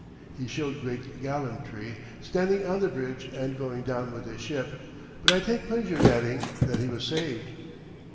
He showed great gallantry, standing on the bridge and going down with his ship, but I take pleasure in adding that he was saved.